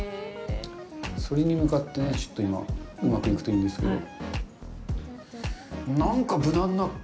それに向かって、ちょっと今、うまくいくといいんですけど。